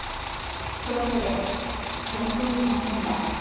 そのうえで本当に残念だ。